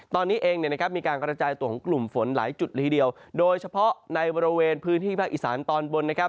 ตอนนี้เองเนี่ยนะครับมีการกระจายตัวของกลุ่มฝนหลายจุดละทีเดียวโดยเฉพาะในบริเวณพื้นที่ภาคอีสานตอนบนนะครับ